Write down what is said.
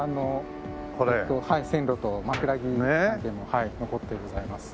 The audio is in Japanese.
線路と枕木も残ってございます。